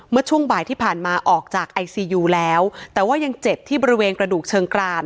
เมื่อช่วงบ่ายที่ผ่านมาออกจากไอซียูแล้วแต่ว่ายังเจ็บที่บริเวณกระดูกเชิงกราน